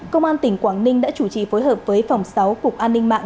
công an tỉnh quảng ninh đã chủ trì phối hợp với phòng sáu cục an ninh mạng